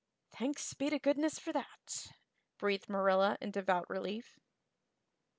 "Thanks be to goodness for that," breathed Marilla in devout relief.